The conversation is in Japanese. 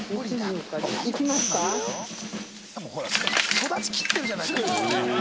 育ちきってるじゃない。